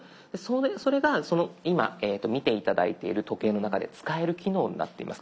それが今見て頂いている時計の中で使える機能になっています。